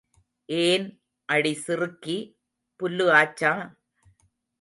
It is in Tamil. ஏன் அடி சிறுக்கி, புல்லு ஆச்சா?